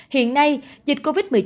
hiện nay dịch covid một mươi chín